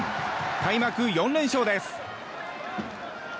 開幕４連勝です。